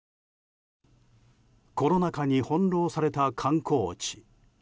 コロナ禍に翻弄された観光地。